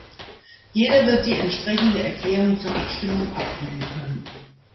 Jeder wird die entsprechende Erklärung zur Abstimmung abgeben können.